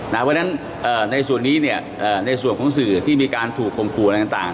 เพราะฉะนั้นในส่วนนี้ในส่วนของสื่อที่มีการถูกคมครูอะไรต่าง